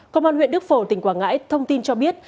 công an huyện đức phổ tỉnh quảng ngãi thông tin cho biết